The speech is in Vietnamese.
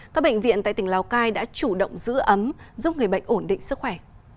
các bệnh viện tại tỉnh lào cai đã chủ động giữ ấm giúp người bệnh ổn định sức khỏe